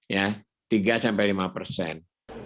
ya tiga lima persen